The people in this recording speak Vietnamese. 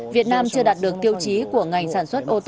việt nam chưa đạt được tiêu chí của ngành sản xuất ô tô